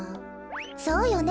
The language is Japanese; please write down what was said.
そうよね。